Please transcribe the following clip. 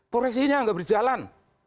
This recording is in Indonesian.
koreksinya gak berjalan